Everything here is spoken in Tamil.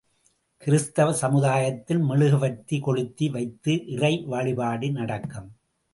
கிறித்தவ சமுதாயத்தில், மெழுகுவர்த்தி கொளுத்தி வைத்து இறைவழிபாடு நடக்கும்.